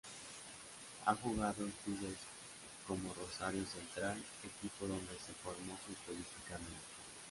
Ha jugado en clubes como Rosario Central, equipo donde se formó futbolísticamente.